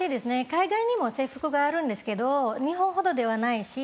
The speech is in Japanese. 海外にも制服があるんですけど日本ほどではないし。